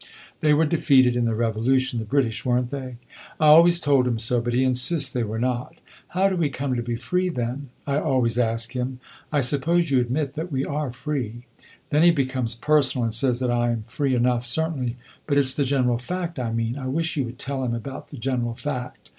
They were defeated in the Revolution, the British, were n't they? I always told him so, but he insists they were not. 'How do we come to be free, then?' I always ask him; 'I suppose you admit that we are free.' Then he becomes personal and says that I am free enough, certainly. But it 's the general fact I mean; I wish you would tell him about the general fact.